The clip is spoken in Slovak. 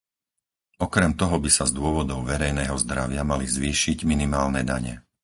Okrem toho by sa z dôvodov verejného zdravia mali zvýšiť minimálne dane.